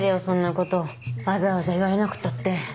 そんなことわざわざ言われなくったって。